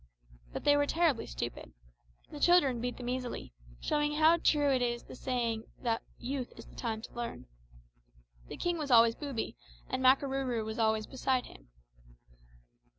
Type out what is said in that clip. But they were terribly stupid. The children beat them easily, showing how true is the saying that `youth is the time to learn.' The king was always booby, and Makarooroo was always beside him."